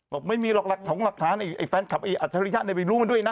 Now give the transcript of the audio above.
บอกไม่มีหรอกหลักถงหลักฐานไอ้แฟนคลับไอ้อัจฉริยะไปรู้มันด้วยนะ